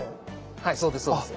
はいそうですそうです。